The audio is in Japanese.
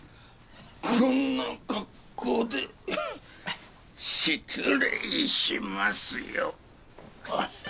こんな格好で失礼しますよ。